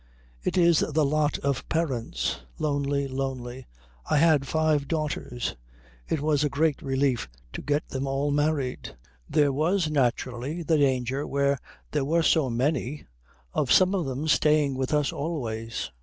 "It is the lot of parents. Lonely, lonely. I had five daughters. It was a great relief to get them all married. There was naturally the danger where there were so many of some of them staying with us always."